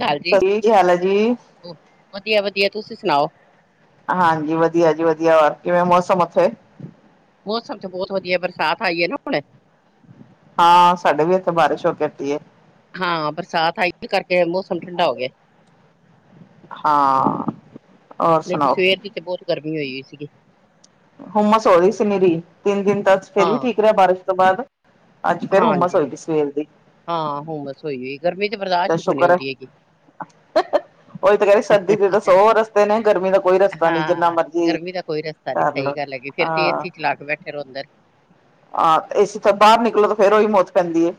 ਕਾਲ ਜੀ ਕੀ ਹਾਲ ਹੈ ਜੀ ਵਧੀਆ -ਵਧੀਆ ਤੁਸੀਂ ਸੁਣਾਓ। ਹਾਂਜੀ ਵਧੀਆ ਜੀ, ਵਧੀਆ ਹੋਰ ਕਿਵੇਂ ਮੌਸਮ ਉਥੇ। ਮੌਸਮ ਤੇ ਬਹੁਤ ਵਧੀਆ ਬਰਸਾਤ ਆਈ ਨਾ ਆਪਣੇ। ਹਾਂ ਸਾਡੇ ਵੀ, ਇੱਥੇ ਬਾਰਿਸ਼ ਹੋ ਕੇ ਹਟੀ ਏ। ਹਾਂ, ਬਰਸਾਤ ਆਈ ਸੀ ਕਰਕੇ ਮੌਸਮ ਠੰਡਾ ਹੋ ਗਿਆ। ਹਾਂ। ਹੋਰ ਨਹੀਂ ਤੇ ਸੁਣਾਓ। ਸਵੇਰ ਦੀ ਬਹੁਤ ਗਰਮੀ ਹੋਈ ਸੀਗੀ। ਹੁਮਸ ਹੋ ਰਹੀ ਸੀ ਮੇਰੀ ਤਿੰਨ ਦਿਨ ਫਿਰ ਵੀ ਹਾਂ ਠੀਕ ਰਿਹਾ ਬਾਰਿਸ਼ ਤੋਂ ਬਾਅਦ। ਅੱਜ ਫੇਰ ਹੁਮਸ ਹਾਂਜੀ ਹੋਏਗੀ ਸਵੇਰ ਦੀ। ਹਾਂ ਹੁਮਸ ਬਸ ਹੋਈ ਵੀ ਗਰਮੀ ਤੇ ਚੱਲ ਬਰਦਾਸ਼ਤ ਹੀ ਹੋਣੀ ਸ਼ੁਕਰ ਹੈ ਹੁੰਦੀ ਹੈਗੀ। ਉਹੀ ਤਾਂ ਕਹਿੰਦੇ ਸਰਦੀ ਦੇ ਤਾਂ ਸੌ ਰਸਤੇ ਨੇ ਗਰਮੀ ਦਾ ਕੋਈ ਰਸਤਾ ਨੀ ਜਿੰਨਾ ਮਰਜੀ ਸਾਰੀ ਕਰ ਸਹੀ ਲਓ ਗੱਲ ਹੈਗੀ ਫੇਰ ਤੇ ਹਾਂ ਏਸੀ ਚਲਾ ਕੇ ਬੈਠੇ ਰੋਵੋ ਅੰਦਰ। ਹਾਂ ਏਸੀ ਤੋ ਬਾਹਰ ਨਿਕਲੋ ਤਾਂ ਫੇਰ ਉਹੀ ਮੌਤ ਪੈਂਦੀ ਏ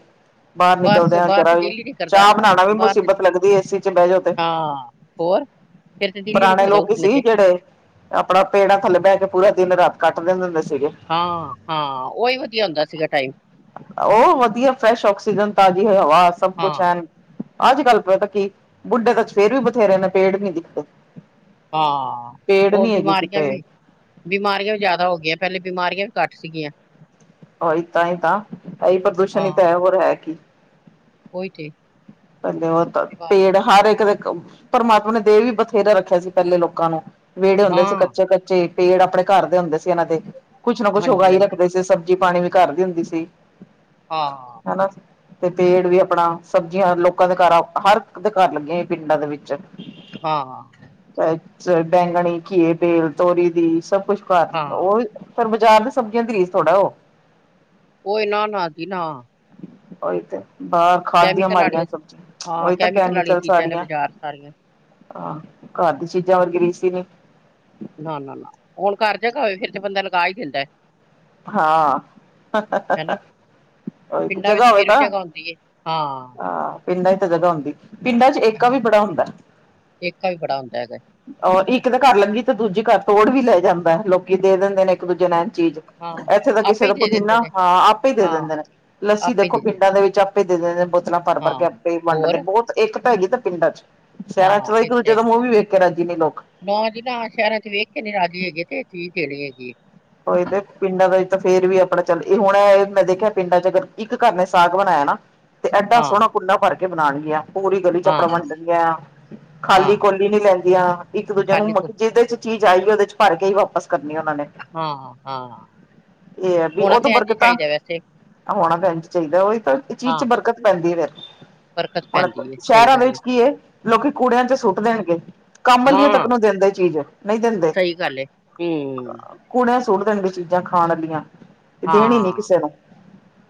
ਬਾਹਰ ਬਸ ਨਿਕਲਦੇ ਆ ਬਾਹਰ ਜਰਾ ਤੇ ਵੀ ਦਿਲ ਹੀ ਨੀ ਕਰਦਾ ਚਾਹ ਬਣਾਉਣਾ ਵੀ ਬਾਹਰ ਤੇ ਮੁਸੀਬਤ ਦਿ- ਲੱਗਦੀ ਏਸੀ ਚ ਬਹਿ ਜੋ ਤੇ। ਹਾਂ ਹੋਰ ਫੇਰ ਤੇ ਦਿਲ ਹੀ ਨੀ ਪੁਰਾਣੇ ਕਰਦਾ ਲੋਕ ਉੱਠਣੇ ਸੀ ਤੇ ਜਿਹੜੇ ਆਪਣਾ ਪੇੜਾ ਥੱਲੇ ਬਹਿ ਕੇ ਪੂਰਾ ਦਿਨ ਰਾਤ ਕੱਟ ਦਿੰਦੇ ਹੁੰਦੇ ਸੀਗੇ ਹਾਂ ਹਾਂ ਉਹੀ ਵਧੀਆ ਹੁੰਦਾ ਸੀਗਾ ਟਾਈਮ ਉਹ ਵਧੀਆ ਫਰੈਸ਼ ਆਕਸੀਜਨ ਤਾਜ਼ੀ ਹੋ ਹਵਾ ਸਭ ਹਾਂ ਕੁਛ ਐਨ। ਅੱਜ ਕੱਲ ਪਤਾ ਕੀ ਬੁੱਢੇ ਤਾਂ ਫੇਰ ਵੀ ਬਥੇਰੇ ਨੇ ਪੇੜ ਵੀ ਦਿਖਦੇ। ਹਾਂ ਪੇੜ ਹੁਣ ਨੀ ਹੈਗੇ ਬਿਮਾਰੀਆਂ ਕਿਤੇ ਵੀ ਬਿਮਾਰੀਆਂ ਵੀ ਜ਼ਿਆਦਾ ਹੋ ਗਈਆਂ ਪਹਿਲੇ ਬਿਮਾਰੀਆਂ ਵੀ ਘੱਟ ਸੀਗੀਆਂ। ਹ ਤਾਂ ਹੀ ਤਾਂ ਹੈ ਹੀ ਪ੍ਰਦੂਸ਼ਣ ਹਾਂ ਹੀ ਤਾਂ ਹੈ ਹੋਰ ਹੈ ਕੀ। ਉਹੀ ਤੇੇ ਪਹਿਲੇ ਉਹ ਤਾਂ ਪੇੜ ਹਰ ਇੱਕ ਦੇ ਪਰਮਾਤਮਾ ਨੇ ਦੇ ਵੀ ਬਥੇਰਾ ਰੱਖਿਆ ਸੀ ਪਹਿਲੇ ਲੋਕਾਂ ਨੂੰ ਵਿਹੜੇ ਹੁੰਦੇ ਸੀ ਹਾਂ ਕੱਚੇ ਕੱਚੇ ਪੇੜ ਆਪਣੇ ਘਰ ਦੇ ਹੁੰਦੇ ਸੀ ਇਹਨਾਂ ਦੇ ਕੁਛ ਨਾ ਕੁਛ ਹਾਂਜੀ ਉਗਾਈ ਹਾਂਜੀ ਰੱਖਦੇ ਸੀ ਸਬਜ਼ੀ ਪਾਣੀ ਵੀ ਘਰ ਦੀ ਹੁੰਦੀ ਸੀ। ਹਾਂ ਹਨਾ ਤੇ ਪੇੜ ਵੀ ਆਪਣਾ ਸਬਜ਼ੀਆਂ ਲੋਕ ਲੋਕਾਂ ਦੇ ਘਰ ਹਰ ਦੇ ਘਰ ਲੱਗੀਆਂ ਹੋਈਆਂ ਪਿੰਡਾਂ ਦੇ ਵਿੱਚ ਹਾਂ -ਹਾਂ। ਚਾਹੇ ਬੈਂਗਣੀ ਘੀਏ ਬੇਲ ਤੋਰੀ ਦੀ ਸਭ ਕੁਛ ਘਰ ਹਾਂ ਉਹ ਫਿਰ ਬਾਜ਼ਾਰ ਦੇ ਸਬਜ਼ੀਆਂ ਦੀ ਰੀਸ ਥੋੜ੍ਹਾ ਉਹ ਉਹ ਇਹ ਨਾ ਨਾ ਜੀ ਨਾ ਉਹੀ ਤੇ ਹਾਂ ਖਾਦ ਦੀਆਂ ਕੈਮੀਕਲ ਮਾਰੀਆਂ ਵਾਲੀਆਂ ਸਭ ਹਾਂ ਕੈਮੀਕਲ ਵਾਲੀਆਂ ਚੀਜ਼ਾਂ ਨੇ ਬਾਜ਼ਾਰ ਚ ਸਾਰੀਆਂ ਆਹ ਘਰ ਦੀ ਚੀਜ਼ਾਂ ਵਰਗੀ ਰੀਸ ਈ ਨਹੀਂ। ਨਾ, ਨਾ, ਨਾ ਹੁਣ ਘਰ ਜੋਗਾ ਹੋਵੇ ਫਿਰ ਤੇ ਬੰਦਾ ਲਗਾ ਹੀ ਦਿੰਦਾ ਏ। ਹਾਂ ਹਨਾ ਉਹੀ ਪਿੰਡਾਂ ਵਿੱਚ ਜਗ੍ਹਾ ਹੋਵੇ ਫੇਰ ਵੀ ਤਾਂ ਜਗ੍ਹਾ ਹੁੰਦੀ ਹੈ ਹਾਂ ਪਿੰਡਾਂ ਵਿੱਚ ਤਾਂ ਜਗ੍ਹਾ ਹੁੰਦੀ। ਪਿੰਡਾਂ ਚ ਏਕਾ ਹਾਂ ਵੀ ਬੜਾ ਹੁੰਦਾ। ਏਕਾ ਵੀ ਬੜਾ ਹੁੰਦਾ ਹੈਗਾ ਹੋਰ ਇੱਕ ਦੇ ਘਰ ਲੱਗੀ ਤੇ ਦੂਜੀ ਘਰ ਤੋੜ ਵੀ ਲੈ ਜਾਂਦਾ ਲੋਕੀ ਦੇ ਦਿੰਦੇ ਨੇ ਇੱਕ ਦੂਜੇ ਨੋ ਇੰਜ ਚੀਜ਼। ਹਾਂ ਇੱਥੇ ਤਾਂ ਆਪੇ ਕਿਸੇ ਹੀ ਦਾ ਦੇ ਦਿੰਦੇ ਪੁਦੀਨਾ ਨੇ ਹਾਂ ਆਪੇ ਦੇ ਹਾਂ ਦਿੰਦੇ ਨੇ ਲੱਸੀ ਆਪੇ ਹੀ ਦੇਖੋ ਦਿੰਦੇ ਪਿੰਡਾਂ ਦੇ ਵਿੱਚ ਆਪੇ ਦੇ ਦਿੰਦੇ ਨੇ। ਬੋਤਲਾਂ ਭਰ ਹਾਂ ਭਰ ਕੇ ਆਪੇ ਹੀ ਵੰਡ ਹੋਰ ਦਿੰਦੇ ਨੇ ਬਹੁਤ ਏਕਤਾ ਹੈਗੀ ਤਾਂ ਪਿੰਡਾਂ ਚ ਸ਼ਹਿਰਾਂ ਚ ਹਾਂ ਤਾਂ ਇੱਕ ਦੂਜੇ ਦਾ ਹੈਗੀ ਮੂੰਹ ਵੀ ਵੇਖ ਕੇ ਰਾਜੀ ਨੀ ਲੋਕ ਨਾ ਜੀ ਨਾ ਸ਼ਹਿਰਾਂ ਚ ਵੇਖ ਕੇ ਨੀ ਰਾਜੀ ਹੈਗੇ ਤੇ ਚੀਜ਼ ਦੇਣੀ ਹੈਗੀ ਏ। ਉਹੀ ਤੇ ਪਿੰਡਾਂ ਦਾ ਤਾਂ ਫੇਰ ਵੀ ਆਪਣਾ ਚੱਲ ਇਹ ਹੁਣ ਇਹ ਮੈਂ ਦੇਖਿਆ ਪਿੰਡਾਂ ਚ ਅਗਰ ਇੱਕ ਘਰ ਨੇੇ ਸਾਗ ਬਣਾਇਆ ਨਾ ਤੇ ਐਡਾ ਹਾਂ, ਸੋਹਣਾ ਕੁੰਨਾ ਭਰ ਕੇ ਬਣਾਉਣਗੀਆਂ। ਪੂਰੀ ਗਲੀ ਚ ਆਪਣਾ ਹਾਂ, ਵੰਡਦੀਆ ਖਾਲੀ ਹਾਂ। ਕੋਲੀ ਨੀ ਲੈਂਦੀਆਂ ਇੱਕ ਦੂਜੇ ਨੂੰ ਖਾਲੀ ਕੋ ਮਤਲਬ ਜਿਹਦੇ ਚ ਚੀਜ਼ ਆ ਜਵੇ ਉਹਦੇ ਚ ਭਰ ਕੇ ਹੀ ਵਾਪਸ ਕਰਨੀ ਉਹਨਾਂ ਨੇ ਹਾਂ, ਹਾਂ। ਇਹ ਹੈ ਵੀ ਹੋਣਾ ਉਹ ਤੇ ਇੰਝ ਹੀ ਬਰਕਤਾਂ ਚਾਹੀਦਾ ਵੈਸੇ। ਹੋਣਾ ਭੈਣ ਜੀ ਚਾਹੀਦਾ ਉਹੀ ਤਾਂ ਚੀਜ਼ ਚ ਹਾਂ। ਬਰਕਤ ਦਿੱਕਤ ਪੈਂਦੀ ਹੈ ਫਿਰ ਬਰਕਤ ਹੁਣ ਪੈਂਦੀ ਏ, ਸਹੀ ਸ਼ਹਿਰਾਂ ਦੇ ਗੱਲ ਏ। ਵਿੱਚ ਕੀ ਹੈ ਲੋਕੀ ਕੂੜਿਆਂ ਚ ਸੁੱਟ ਦੇਣਗੇ। ਕੰਮ ਵਾਲੀਆਂ ਤੱਕ ਹਾਂ। ਨੂੰ ਦਿੰਦੇ ਚੀਜ਼ ਨਹੀਂ ਦਿੰਦੇ। ਸਹੀ ਗੱਲ ਏ। ਹੂੰ ਕੁੂੜਿਆਂ ਚ ਸੁੱਟ ਦਿੰਦੇ ਚੀਜ਼ਾਂ ਦੀਆਂ। ਹਾਂ,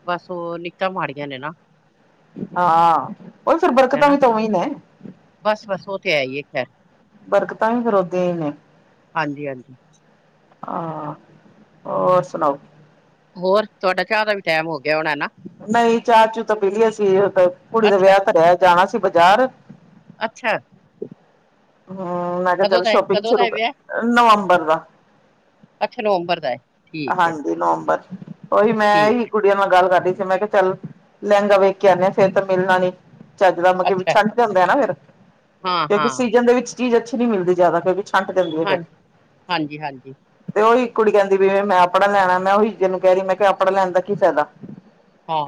ਬਸ ਉਹ ਨੀਤਾਂ ਮਾੜੀਆਂ ਨੇ ਨਾ ਹਾਂ ਉਹ ਫਿਰ ਬਰਕਤਾਂ ਵੀ ਤੇ ਉਹੀ ਨੇ ਬਸ, ਬਸ ਉਹ ਤੇ ਹੈ ਹੀ ਹੈ ਖੈਰ ਬਰਕਤਾਂ ਵੀ ਫਿਰ ਉਦਾਂ ਹੀ ਨੇ। ਹਾਂਜੀ-ਹਾਂਜੀ। ਹਾਂ, ਹੋਰ ਸੁਣਾਓ ਹੋਰ ਤੁਹਾਡਾ ਚਾਹ ਦਾ ਵੀ ਟਾਈਮ ਹੋ ਗਿਆ ਹੋਣਾ ਨਾ, ਨਹੀਂ ਚਾਹ ਚੂ ਤਾਂ ਪੀਲੀ ਅਸੀਂ ਕੁੜੀ ਦਾ ਵਿਆਹ ਤਰਿਆ ਜਾਣਾ ਸੀ ਬਾਜ਼ਾਰ। ਅੱਛਾ, ਹਾ ਮੈਂ ਕਿਹਾ ਕਦੋਂ ਚਲੋ ਦਾ ਏ, ਸ਼ੋਪਿੰਗ ਕਦੋਂ ਦਾ ਏ ਸ਼ੁਰੂ ਵਿਆਹ? ਨਵੰਬਰ ਦਾ, ਅੱਛਾ, ਨਵੰਬਰ ਦਾ ਹੈ, ਹਾਂਜੀ ਨਵੰਬਰ ਉਹੀ ਮੈਂ ਹੀ ਠੀਕ ਏ, ਕੁ ਕੁੜੀਆਂ ਨਾਲ ਗੱਲ ਕਰਦੀ ਸੀ ਮੈਂ ਕਿਹਾ ਚੱਲ ਲਹਿੰਗਾ ਵੇਖ ਕੇ ਆਉਨੇ ਆ ਫੇਰ ਤਾਂ ਮਿਲਣਾ ਨੀ, ਚੱਜ ਦਾ ਮਤਲਬ ਅੱਛਾ। ਛੱਡ ਜਾਂਦਾ ਆ ਨਾ ਫਿਰ ਕਿਉਂਕਿ ਹਾਂ-ਹਾਂ, ਸੀਜਨ ਦੇ ਵਿੱਚ, ਚੀਜ਼ ਅੱਛੀ ਨੀ ਮਿਲਦੀ ਜਿਆਦਾ ਕਿਉਂਕਿ ਛੰਟ ਦਿੰਦੀ ਹੈ ਫੇਰ, ਹਾਂਜੀ, ਹਾਂਜੀ-ਹਾਂਜੀ, ਤੇ ਉਹੀ ਕੁੜੀਆ ਦੀ ਵੇ ਮੈਂ ਆਪਣਾ ਲੈਣਾ ਮੈਂ ਉਹੀ ਜੇਨੂੰ ਕਹਿ ਰਹੀ ਮੈਂ ਕਿਹਾ ਆਪਣਾ ਲੈਣ ਦਾ ਕੀ ਫਾਇਦਾ,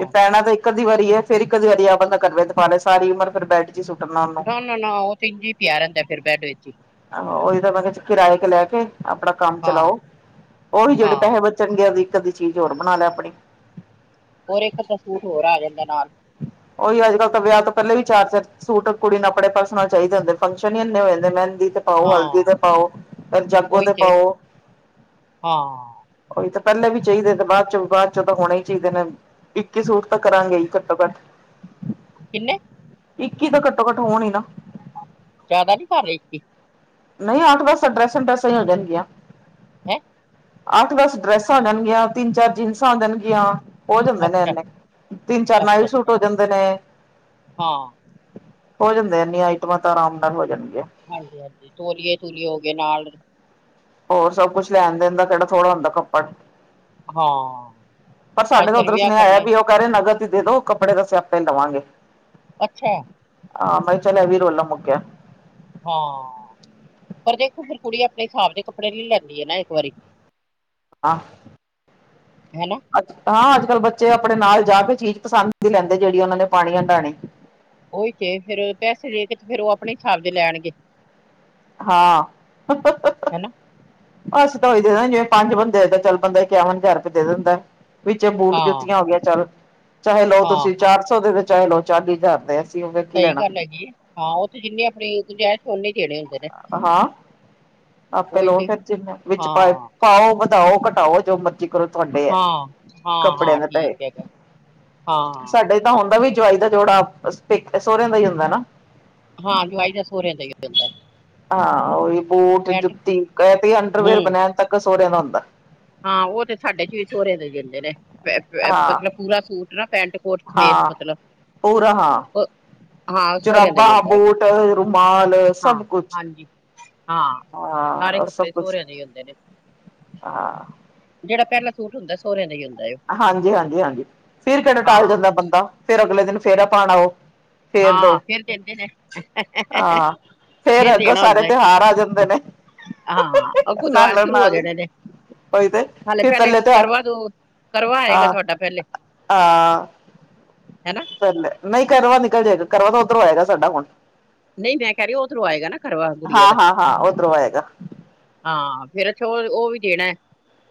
ਇਹ ਪੈਣਾ ਤਾਂ, ਇਕ ਅੱਧੀ ਵਾਰੀ ਏ ਫੇਰ ਇਕ ਅੱਧੀ ਵਾਰੀ ਏ ਆਪ ਬੰਦਾ ਕਰ ਦੇ ਪਾ ਲੇ ਸਾਰੀ ਉਮਰ ਫਿਰ ਬੈਠ, ਜੀ ਸੁੱਟਣਾ, ਉਹਨੂੰ ਨਾ ਨਾ ਨਾ ਉਹ ਤੇ ਇੰਝ ਹੀ ਪਿਆ ਰਹਿੰਦਾ ਫੇਰ ਬੈਡ ਵਿੱਚ ਹੀ, ਆਹ ਉਹੀ ਤਾਂ ਮੈਂ ਕਿਹਾ ਕਿਰਾਏ ਕੇ ਲੈ ਕੇ ਆਪਣਾ ਕੰਮ ਹਾਂ। ਚਲਾਓ। ਉਹੀ ਜਿਹੜੇ ਹਾਂ। ਪੈਸੇ ਬਚਣਗੇ ਓਦੀ ਇੱਕ ਅੱਧੀ ਚੀਜ਼ ਹੋਰ ਬਣਾ ਲੈ ਆਪਣੀ। ਹੋਰ ਇਕ ਅੱਧਾ ਸੂਟ ਹੋਰ ਆ ਜਾਂਦਾ ਨਾਲ। ਉਹੀ ਅੱਜ ਕੱਲ ਤਾਂ ਵਿਆਹ ਤੋਂ ਪਹਿਲਾਂ ਵੀ ਚਾਰ-ਚਾਰ, ਸੂਟ ਕੁੜੀ ਨੂੰ ਆਪਣੇੇ ਪਰਸਨਲ ਚਾਹੀਦੇ ਹੁੰਦੇ ਫੰਕਸ਼ਨ ਹੀ ਇੰਨੇ ਹੋ ਜਾਂਦੇ ਮਹਿੰਦੀ ਤੇ, ਪਾਓ ਹਲਦੀ ਹਾਂ, ਤੇ ਪਾਓ, ਫਿਰ ਜਾਗੋ ਤੇ ਪਾਓ। ਹਾਂ, ਉਹੀ ਤਾਂ ਪਹਿਲੇ ਵੀ ਚਾਹੀਦੇ ਤੇ ਬਾਅਦ ਚ ਬਾਅਦ ਚੋਂ ਤਾਂ ਹੋਣੇ ਹੀ ਚਾਹੀਦੇ ਨੇ। ਇੱਕੀ ਸੂਟ ਤਾਂ ਕਰਾਂਗੇ ਹੀ ਘੱਟੋ ਘੱਟ। ਕਿਨੇ? ਇਕੀ ਤਾਂ ਘੱਟੋ ਘੱਟ ਹੋਣ ਹੀ ਨਾ, ਜ਼ਿਆਦਾ ਨੀ ਕਰ ਰਹੇ ਇੱਕੀ। ਨਹੀਂ ਅੱਠ ਦਸ ਡਰੈਸਾਂ ਡਰੈਸਾਂ ਹੀ ਹੋ ਜਾਣਗੀਆਂ। ਹੈ। ਅੱਠ ਦੱਸ ਡਰੈਸਾਂ ਜਾਣਗੀਆਂ ਤਿੰਨ ਚਾਰ ਜੀਨਸਾਂ ਆ ਦੇਣਗੀਆ। ਹੋ ਜਾਂਦੇ ਨੇ ਅੱਛਾ, ਇੰਨੇ ਤਿੰਨ ਚਾਰ ਨਾਈ ਅੱਛਾ, ਸੂਟ ਅੱਛਾ ਹੋ ਜਾਂਦੇ ਨੇ। ਹਾਂ। ਹੋ ਜਾਂਦੇ ਇੰਨੀਆਂ ਆਈਟਮਾਂ ਤਾਂ ਆਰਾਮ ਨਾਲ ਹੋ ਜਾਂਦੀਆ। ਹਾਂਜੀ-ਹਾਂਜੀ, ਤੋਲੀਏ ਤੂਲੀਏ ਹੋ ਗਏ ਨਾਲ, ਹੋਰ ਸਭ ਕੁਛ ਲੈਣ ਦੇਣ ਦਾ ਕਿਹੜਾ ਥੋੜ੍ਹਾ ਹੁੰਦਾ ਕੱਪੜ ਹਾਂ, ਪਰ ਅੱਜ ਸਾਡੇ ਤਾਂ ਕੱਲ ਉੱਧਰੋਂ ਵਿਆਹ ਸੁਨੇਹਾ ਆਇਆ ਕਰਨੇ ਵੀ ਉਹ ਕਰੇ ਨਗਦ ਹੀ ਦੇ ਦੋ ਕੱਪੜੇ ਤਾ ਅਸੀ ਆਪੇ ਹੀ ਲਵਾਂਗੇ। ਅੱਛਾ। ਆਹ ਮੈਂ ਚਲ ਏ ਵੀ ਰੋਲਾ ਮੁੱਕਿਆ, ਹਾਂ। ਪਰ ਦੇਖੋ ਫਿਰ ਕੁੜੀ ਆਪਣੇ ਹਿਸਾਬ ਦੇ ਕੱਪੜੇ ਲਈ ਲੈਂਦੀ ਆ ਨਾ ਇੱਕ ਵਾਰੀ, ਹਾਂ, ਹੈਨਾ। ਹਾਂ ਅੱਜ ਕੱਲ੍ਹ ਬੱਚੇ ਆਪਣੇ ਨਾਲ ਜਾ ਕੇ ਚੀਜ਼ ਪਸੰਦ ਦੀ ਲੈਂਦੇ ਜਿਹੜੀ ਉਹਨਾਂ ਨੇ ਪਾਣੀ ਹੰਡਾਣੀ। ਉਹੀ ਤੇ ਫੇਰ ਉਹ ਪੈਸੇ ਦੇ ਕੇ ਤੇ ਫੇਰ ਉਹ ਆਪਣੇ ਹਿਸਾਬ ਦੇ ਲੈਣਗੇ। ਹਾਂ, ਹਨਾ ਬਸ ਤਾਂ ਉਹੀ ਦੇ ਦੇ ਜਿਵੇਂ ਪੰਜ ਬੰਦੇ ਚੱਲ ਬੰਦਾ ਇਕਾਵਨ ਹਜ਼ਾਰ ਰੁਪਏ ਦੇ ਦਿੰਦਾ। ਵਿੱਚ ਬੂਟ ਹਾਂ, ਜੁੱਤੀਆਂ ਹੋ ਗਈਆਂ ਚੱਲ, ਚਾਹੇ ਲਓ ਹਾਂ, ਤੁਸੀਂ ਹਾਂ। ਚਾਰ ਸੌ ਦੇ ਤੇ ਚਾਹੇ ਲਓ ਚਾਲੀ ਹਜ਼ਾਰ ਦੇ। ਅਸੀਂ ਉਹ ਕੀ ਸਈ ਲੈਣਾ ਗੱਲ ਹੈਗੀ ਏ। ਹਾਂ ਓ ਤੇ ਜਿੰਨੀ ਆਪਣੀ ਗੁੰਜਾਇਸ਼ ਓਨੇ ਦੇਣੇ ਹੁੰਦੇ ਨੇ। ਹਾਂ, ਆਪੇ ਉਹੀ ਲੋ ਤੇ ਫਿਰ ਜਿਨ ਵਿੱਚ ਹਾਂ। ਪਾਏ। ਪਾਓ, ਵਧਾਓ, ਘਟਾਓ ਜੋ ਮਰਜ਼ੀ ਕਰੋ ਤੁਆਡੇ ਐ ਹਾਂ, ਹਾਂ, ਕੱਪੜਿਆਂ ਹਾਂ ਦੇ ਪੈਹੇ, ਠੀਕ ਹੈਗਾ। ਹਾਂ, ਸਾਡੇ ਦਾਂ ਹੁੰਦਾ ਵੀ ਜਵਾਈ ਦਾ ਜੋੜਾ ਅਸ ਪੇਕ ਅ ਸੋਰੇਆਂ ਦਾ ਈ ਹੁੰਦਾ ਨਾ? ਹਾਂ, ਜਵਾਈ ਦਾ ਸੋਰੇਆਂ ਦਾ ਈ ਹੋਂਦੈ। ਹਾਂ, ਓਈ ਬੂਟ, ਜੁੱਤੀ ਕ ਤੇ ਅੰਡਰਵੇਅਰ, ਹੂੰ ਬਣੈਣ ਤੱਕ ਸੋਰੇਆਂ ਦਾ ਹੁੰਦੈ। ਹਾਂ, ਓ ਤੇ ਸਾਡੇ 'ਚ ਵੀ ਸੋਰੇ ਦੇ ਦਿੰਦੇ ਨੇ। ਪੇ ਪੇ ਹਾਂ, ਮਤਲਬ ਪੂਰਾ ਸੂਟ ਨਾ ਪੈਂਟ-ਕੋਟ ਹਾਂ, ਪੂਰਾ ਹਾਂ ਹਾਂ ਸਹੁਰਿਆਂ ਦਾ ਹੀ ਜੁਰਾਬਾਂ, ਹੁੰਦਾ ਹੈਗਾ। ਬੂਟ, ਰੁਮਾਲ ਹਾਂ, ਸਭ ਕੁਛ ਹਾਂਜੀ ਹਾਂ ਹਾਂ, ਸਾਰੇ ਓ ਸਭ ਕੱਪੜੇ ਕੁਛ। ਸਹੁਰਿਆਂ ਦੇ ਹੀ ਹੁੰਦੇ ਹਾਂ। ਜੜਾ ਪੈਲਾ ਸੂਟ ਹੁੰਦੈ ਸੋਰੇਆਂ ਦਾ ਈ ਹੁੰ ਹਾਂਜੀ-ਹਾਂਜੀ-ਹਾਂਜੀ ਫਿਰ ਕੇੜਾ ਟਾਲ ਹਾਂ, ਜਾਂਦਾ ਬੰਦਾ ਫਿਰ ਅਗਲੇ ਦਿਨ ਫੇਰਾ ਪਾਨ ਆਓ। ਫੇਰ ਹਾਂ ਦਓ। ਫੇਰ ਦਿੰਦੇ ਨੇ ਹਾਂ, ਫੇਰ ਅੱਗੋਂ ਦੇਣਾ ਸਾਰੇ ਹੁੰਦਾ ਏ। ਤਿਉਹਾਰ ਆ ਜਾਂਦੇ ਨੇ। ਹਾਂ, ਅੱਗੋਂ ਤਓਆਰ ਨਾਲੋਂ ਸ਼ੁਰੂ ਹੋ ਨਾਲ ਹੀ ਜਾਣੇ ਨੇ। ਉਹੀ ਤੇ ਹਾਲੇ ਫਿਰ ਪੈਲੇ ਪਹਿਲੇ ਤਿਉਹਾਰ ਕਰਵਾਚੌ ਕਰਵਾ ਆਏਗਾ ਹਾਂ ਤੁਆਡਾ ਪੈਲੇ, ਹੈ ਨਾ। ਫੇਰ ਲੈ, ਨਈ ਕਰਵਾ ਨਿਕਲ ਜੇਗਾ। ਕਰਵਾ ਤਾਂ ਓਧਰੋਂ ਆਏਗਾ ਸਾਡਾ ਹੁਣ। ਨਈ ਮੈਂ ਕੈ ਰੀ ਆਂ ਓਧਰੋਂ ਆਏਗਾ ਨਾ ਕਰਵਾ, ਗੁੜੀਆਂ ਹਾਂ ਦਾ। ਹਾਂ ਹਾਂ ਉੱਧਰੋਂ ਆਏਗਾ ਹਾਂ, ਫੇਰ ਅੱਛਾ ਓ, ਓ ਵੀ ਦੇਨੈ।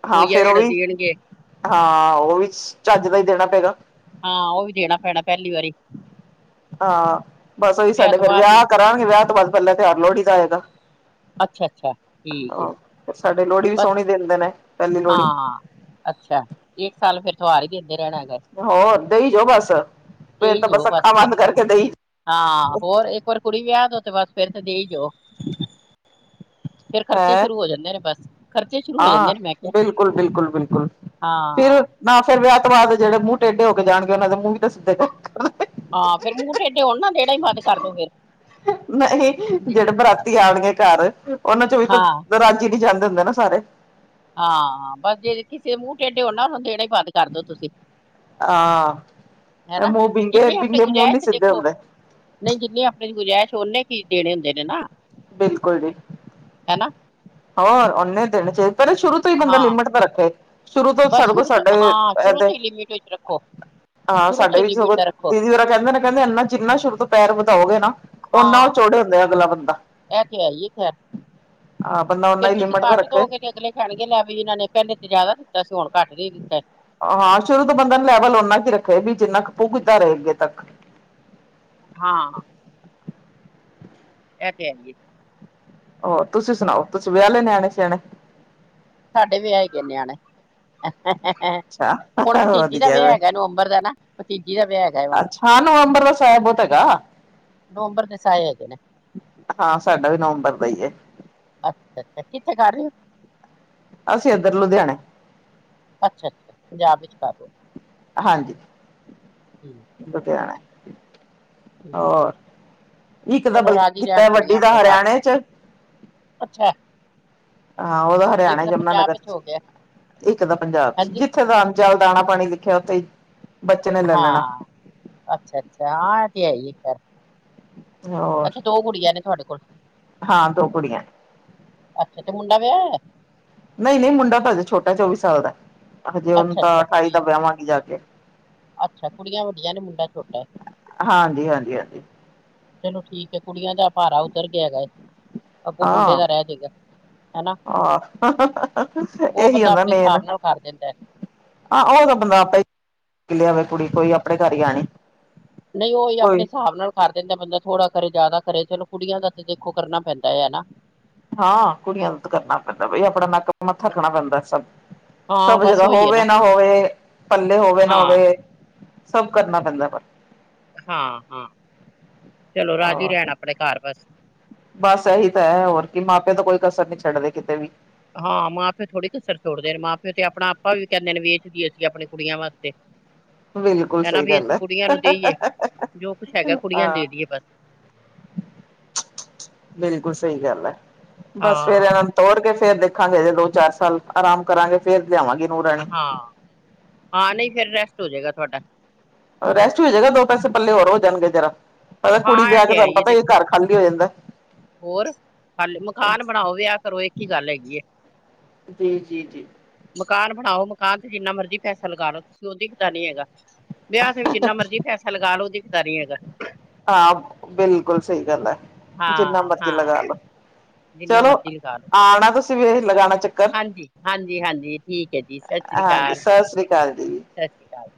ਹਾਂ, ਫੇਰ ਓ ਵੀ। ਹਾਂ, ਓ ਵੀ ਚੱਜ ਦਾ ਈ ਦੇਣਾ ਪੇਗਾ। ਹਾਂ, ਓ ਵੀ ਦੇਣਾ ਪੈਣੈ ਪੈਲੀ ਵਾਰੀ। ਹਾਂ, ਬਸ ਓਈ ਵਿਆਹ ਸਾਡੇ ਤੋਂ ਫੇਰ ਬਾਅਦ ਵੀ ਵਿਆ ਕਰਾਂਗੇ, ਵਿਆ ਤੋਂ ਬਾਦ ਪੈਲਾ ਤੇਓਆਰ ਲੋੜੀ ਦਾ ਆਏਗਾ। ਅੱਛਾ-ਅੱਛਾ ਠੀਕ ਏ। ਫੇਰ ਸਾਡੇ ਲੋੜੀ ਵੀ ਸੋਣੀ ਦਿੰਦੇ ਨੇ। ਪਹਿਲੀ ਲੋਹੜੀ ਹਾਂ-ਹਾਂ, ਅੱਛਾ। ਏਕ ਸਾਲ ਫੇਰ ਤੇਓਆਰ ਈ ਦੇਂਦੇ ਰੈਣਾ ਹੈਗੈ। ਹੋਰ ਦਈ ਜੋ ਬਸ। ਫੇਰ ਹੀ ਤਾਂ ਜਾਓ ਬਸ ਅੱਖਾਂ ਫਿਰ ਬੰਦ ਕਰਕੇ ਦਈ ਹਾਂ, ਹੋਰ ਏੱਕ ਵਾਰ ਕੁੜੀ ਵਿਆ ਦੋ ਤੇ ਬਸ ਫੇਰ ਤੇ ਦੇਈ ਜੋਓ। [unintelligible] ਫੇਰ ਖਰਚੇ ਹੈਂ ਸ਼ੁਰੂ ਹੋ ਜਾਂਦੇ ਨੇ ਬਸ। ਖਰਚੇ ਸ਼ੁਰੂ ਹੋ ਹਾਂ, ਜਾਂਦੇ ਨੇ ਮੈਂ ਕਿਹਾ ਬਿਲਕੁਲ-ਬਿਲਕੁਲ-ਬਿਲਕੁਲ ਫੇਰ ਹਾਂ ਨਾ ਫੇਰ ਵਿਆ ਤੋਂ ਬਾਦ ਜੇੜੇ ਮੂੰਅ ਟੇਢੇ ਹੋ ਕੇ ਜਾਣਗੇ ਓਨਾਂ ਦੇ ਮੂੰਅ ਵੀ ਤੇ ਸਿੱਧੇ ਕਰ ਕਰ ਹਾਂ ਫੇਰ ਮੂੰਹ ਟੇਢੇ ਹੋਣ ਨਾ ਦੇਣਾ ਈ ਬੰਦ ਕਰਦੋ ਫੇਰ। ਨ ਅ ਈ ਜੜੇ ਬਰਾਤੀ ਆਣਗੇ ਘਾਰ ਓਨਾਂ 'ਚੋਂ ਵੀ ਹਾਂ ਤੇ ਰਾਜੀ ਨੀ ਜਾਂਦੇ ਹੁੰਦੇ ਨਾ ਸਾਰੇ। ਹਾਂ, ਬਸ ਜੇ ਕਿਸੇ ਮੂੰਅ ਟੇਡੇ ਹੋਨ ਨਾ ਹੰ ਦੇਣੇ ਈ ਬੰਦ ਕਰਦੋ ਤੁਸੀ। ਹਾਂ, ਐ ਮੂੰਅ ਬਿੰਗੇ, ਬਿੰਗੇ ਮੂੰਅ ਨੀ ਸਿੱਧੇ ਹੁੰਦੇ। ਨਈ ਜਿੰਨੀ ਆਪਣੇ 'ਚ ਗੁਜਾਇਸ਼ ਓਨੇ ਕੀ ਦੇਣੇ ਹੁੰਦੇ ਨੇ ਨਾ। ਬਿਲਕੁਲ ਜੀ। ਹਨਾ ਹੋਰ, ਓਨੇ ਦੇਣੇ ਚਾਈਦੇ ਨੇ ਸ਼ੁਰੂ ਫੇਰ ਬੰਦਾ ਹਾਂ ਲਿਮਟ ਤਾਂ ਰੱਖੇ। ਸ਼ੁਰੂ ਤੋਂ ਬਸ ਸਾਡੇ ਕੋਲ ਸ਼ੁਰੂ ਤੋਂ ਸਾਡੇ ਹਾਂ ਸ਼ੁਰੂ ਐਦੇ ਤੋਂ ਹੀ ਲਿਮਿਟ ਵਿੱਚ ਰੱਖੋ ਈ ਹਾਂ, ਸ਼ੁਰੂ ਤੋਂ ਸਾਡੇ ਹੀ ਵੀ ਸਗੋਂ ਲਿਮਿਟ ਰੱਖੋ ਦੀਦੀ ਹੋਰਾ ਕੈਂਦੇ ਨੇ ਕੈਂਦੇ ਏਨਾ ਜਿੰਨਾ ਸ਼ੁਰੂ ਤੋਂ ਪੈਰ ਵਧਾਓਗੇ ਨਾ ਓਨਾਂ ਓ ਚੌੜੇ ਹੁੰਦੇ ਐ ਅਗਲਾ ਬੰਦਾ। ਐ ਤੇ ਹੈ ਈ ਏ ਖੈਰ। ਹਾਂ ਬੰਦਾ ਓਨਾ ਫੇਰ ਹੀ ਤੁਸੀ ਲਿਮਿਟ ਦਾ ਘੱਟ ਰੱਖੇ ਦੋਗੇ ਤੇ ਅਗਲੇ ਖਹਿਣਗੇ ਲੈ ਵੀ ਏਨਾਂ ਨੇ ਪੈਲੇ ਤੇ ਜ਼ਿਆਦਾ ਦਿੱਤਾ ਸੀ ਹੋਣ ਘੱਟ ਦੇ ਦਿੱਤੈ। ਹਾਂ ਸ਼ੁਰੂ ਤੋਂ ਬੰਦਾ ਲੈਵਲ ਓਨਾ ਕ ਹੀ ਰੱਖੇ ਵੀ ਜਿੰਨਾ ਪੁਗਦਾ ਰਹੇ ਅੱਗੇ ਤੱਕ ਹਾਂ। ਇਹ ਤੇੇ ਹੈ ਈ ਏ। ਹੋਰ, ਤੁਸੀਂ ਸੁਣਾਓ, ਤੁਸੀਂ ਵਿਆਹ ਲਏ ਨਿਆਣੇ ਸਿਆਣੇ। ਸਾਡੇ ਵੀ ਵਿਆਹੇ ਗਏ ਨਿਆਣੇ ਹੈ। ਹੁਣ ਅੱਛਾ ਭਤੀਜੀ ਦਾ ਵਧੀਆ ਵਿਆਹ ਵੇ ਹੈਗਾ ਨਵੰਬਰ ਦਾ ਨਾ ਭਤੀਜੀ ਦਾ ਵਿਆਹ ਹੈਗਾ। ਹੈ ਹੁਣ ਅੱਛਾ ਹਾਂ ਨਵੰਬਰ ਸਾਹਿਆ ਬਹੁਤ ਹੈਗਾ। ਨਵੰਬਰ ਤੇ ਸਾਏ ਹੈਗੇ ਨੇ। ਹਾਂ ਸਾਡਾ ਵੀ ਨਵੰਬਰ ਦਾ ਹੀ ਏ। ਅੱਛਾ, ਅੱਛਾ ਕਿੱਥੇ ਕਰ ਰਹੇ ਹੋ? ਅਸੀਂ ਇੱਧਰ ਲੁਧਿਆਣੇ। ਅੱਛਾ, ਅੱਛਾ ਪੰਜਾਬ ਵਿੱਚ ਕਰ ਲੋ। ਹਾਂਜੀ ਠੀਕ ਹੈ ਲੁਧਿਆਣਾ। ਠੀਕ ਹੋਰ, ਇੱਕ ਦਾ ਚਲੋ ਬਲਕਿ ਰਾਜੀ ਰਹਿਣ ਕੀਤਾ ਕੁੜੀਆਂ ਵੱਡੀ ਦਾ ਆਪਣੇ ਘਰ ਹਰਿਆਣੇ 'ਚ। ਅੱਛਾ। ਹਾਂ ਉਹਦਾ ਇੱਕ ਹਰਿਆਣੇ ਤਾਂ ਯਮੁਨਾ ਪੰਜਾਬ ਨਗਰ ਵਿੱਚ 'ਚ ਹੋ ਗਿਆ ਇੱਕ ਦਾ ਪੰਜਾਬ 'ਚ ਹਾਂਜੀ ਜਿੱਥੇ ਦਾ ਜਲ ਦਾਣਾ ਪਾਣੀ ਲਿਖਿਆ ਉੱਥੇ ਈ ਹਾਂ ਅੱਛਾ ਅੱਛਾ ਹਾਂ ਇਹ ਤੇ ਹੈ ਹੀ ਫੇਰ। ਹੋਰ ਅੱਛਾ ਦੋ ਕੁੜੀਆਂ ਨੇ ਤੁਹਾਡੇ ਕੋਲ ਹਾਂ ਦੋ ਕੁੜੀਆਂ ਅੱਛਾ ਤੇ ਮੁੰਡਾ ਵਿਆਹਿਆ ਹੋਇਆ ਹੈ? ਨਹੀਂ ਨਹੀਂ ਮੁੰਡਾ ਤਾਂ ਹਜੇ ਛੋਟਾ ਚੌਵੀ ਸਾਲ ਦਾ ਹਜੇ ਉਹਨੂੰ ਅੱਛਾ ਤਾਂ ਅੱਛਾ ਅਠਾਈ ਦਾ ਠੀਕ ਹੈ ਵਿਆਵਾਂਗੇ ਜਾ ਕੇ। ਅੱਛਾ ਕੁੜੀਆਂ ਵੱਡੀਆਂ ਨੇ ਮੁੰਡਾ ਛੋਟਾ ਏ ਹਾਂਜੀ ਹਾਂਜੀ ਹਾਂਜੀ ਚਲੋ ਠੀਕ ਹੈ। ਕੁੜੀਆਂ ਦਾ ਭਾਰਾ ਉਤਰ ਗਿਆ ਦਾ ਅੱਗੋਂ ਮੁੰਡੇ ਦਾ ਰਹਿ ਜਏਗਾ ਹੈ ਨਾ। ਹਾਂ। ਉਹ ਇਹੀ ਬੰਦਾ ਆਪਣੇ ਹਿਸਾਬ ਨਾਲ ਕਰ ਦਿੰਦਾ। ਆਹ ਉਹ ਤਾਂ ਬੰਦਾ ਆਪੇ ਲਿਆਵੇ ਕੁੜੀ ਕੋਈ ਆਪਣੇ ਘਰ ਹੀ ਆਉਣੀ। ਨਹੀਂ ਉਹੀ ਆਪਣੇ ਹਿਸਾਬ ਨਾਲ। ਕਰ ਦਿੰਦਾ ਬੰਦਾ ਥੋੜਾ ਕਰੇ, ਜ਼ਿਆਦਾ ਕਰੇ ਚਲੋ ਕੁੜੀਆਂ ਦਾ ਤਾਂ ਦੇਖੋ ਕਰਨਾ ਪੈਂਦਾ ਹੈ ਨਾ। ਹਾਂ ਕੁੜੀਆਂ ਦਾ ਤਾਂ ਕਰਨਾ ਪੈਂਦਾ ਬਈ ਆਪਣਾ ਨੱਕ ਮੱਥਾ ਰੱਖਣਾ ਪੈਂਦਾ ਸਭ। ਹਾਂ ਸਭ ਬਸ ਜਗ੍ਹਾ ਉਹੀ ਹੈ ਹੋਵੇ ਨਾ ਹੋਵੇ, ਪੱਲੇ ਹੋਵੇ ਨਾ ਹਾਂ ਹੋਵੇ। ਸਭ ਕਰਨਾ ਪੈਂਦਾ ਪਰ। ਹਾਂ, ਹਾਂ ਚਲੋ ਰਾਜੀ ਹਾਂ ਰਹਿਣ ਆਪਣੇ ਘਰ ਬਸ। ਬਸ ਇਹੀ ਤਾਂ ਹੈ ਹੋਰ ਕਿ ਮਾਂ ਪਿਓ ਤਾਂ ਕੋਈ ਕਸਰ ਨਹੀਂ ਛੱਡਦੇ ਕਿਤੇ ਵੀ। ਹਾਂ ਮਾਂ ਪਿਓ ਥੋੜ੍ਹੀ ਕਸਰ ਛੋੜਦੇ ਨੇ ਮਾਂ ਪਿਓ ਤੇ ਆਪਣਾ ਆਪਾਂ ਵੀ ਕਹਿੰਦੇ ਨੇ ਵੇਚ ਦੇਈਆ ਆਪਣੀਆਂ ਕੁੜੀਆਂ ਵਾਸਤੇ। ਹੂੰ। ਬਿਲਕੁਲ ਇਹ ਨਾ ਸਹੀ ਵੀ ਗੱਲ ਅਸੀਂ ਹੈ ਕੁੜੀਆਂ ਨੂੰ ਦੇਈਏ ਜੋ ਕੁਛ ਹੈਗਾ ਕੁੜੀਆਂ ਨੂੰ ਹਾਂ। ਦੇ ਦਈਏ ਬਸ ਬਿਲਕੁਲ ਸਹੀ ਗੱਲ ਹੈ, ਬਸ ਫੇਰ ਇਹਨਾਂ ਹਾਂ ਨੂੰ। ਤੋਰ ਕੇ ਫੇਰ ਦੇਖਾਂਗੇ ਹਜੇ ਦੋ ਚਾਰ ਸਾਲ ਆਰਾਮ ਕਰਾਂਗੇ ਫੇਰ ਲਿਆਵਾਂਗੇ। ਨੂੰਹ ਰਾਣੀ ਹਾਂ, ਹਾਂ ਨਹੀਂ ਫਿਰ ਰੈਸਟ ਹੋ ਜਏਗਾ ਤੁਹਾਡਾ। ਰੈਸਟ ਹੋ ਜਾਏਗਾ ਦੋ ਪੈਸੇ ਪੱਲੇ ਹੋਰ ਹੋ ਜਾਣਗੇ ਜਰਾ। ਪਤਾ ਹਾਂ ਕੁੜੀ ਇਹ ਵਿਆਹ ਕੇ ਤੇ ਹੈ ਤੁਹਾਨੂੰ ਹੀ ਹੈ ਪਤਾ ਜੀ ਦੇਖੋ ਘਰ ਖਾਲੀ ਹੋ ਜਾਂਦਾ ਹੈ। ਹੋਰ ਖਾਲੀ ਮਕਾਨ ਬਣਾਓ ਵਿਆਹ ਕਰੋ ਇੱਕ ਹੀ ਗੱਲ ਹੈਗੀ ਹੈ। ਜੀ, ਜੀ, ਜੀ। ਮਕਾਨ ਬਣਾਓ ਮਕਾਨ ਤੇ ਜਿੰਨਾ ਮਰਜ਼ੀ ਪੈਸਾ ਲਗਾ ਲਓ ਤੁਸੀਂ ਉਹ ਦਿਖਦਾ ਨੀ ਹੈਗਾ। ਵਿਆਹ ਤੇ ਵੀ ਜਿੰਨਾ ਮਰਜੀ ਪੈਸਾ ਲਗਾ ਲੋ ਉਹ ਦਿਖਦਾ ਨਹੀਂ ਹੈਗਾ। ਹਾਂ ਬਿਲਕੁਲ ਸਹੀ ਗੱਲ ਹੈ, ਜਿੰਨਾ ਹਾਂ ਮਰਜ਼ੀ ਹਾਂ ਲਗਾ ਲਉ। ਜਿੰਨਾ ਮਰਜ਼ੀ ਲਗਾ ਲੋ। ਆਉਣਾ ਤੁਸੀਂ ਵੀ ਜੀ ਲਗਾਉਣਾ ਚੱਕਰ। ਹਾਂਜੀ ਹਾਂਜੀ ਹਾਂਜੀ ਠੀਕ ਹੈ ਜੀ ਸਤਿ ਸ਼੍ਰੀ ਹਾਂਜੀ ਅਕਾਲ, ਸਤਿ ਸ੍ਰੀ ਅਕਾਲ ਜੀ ਸਤਿ ਸ੍ਰੀ ਅਕਾਲ।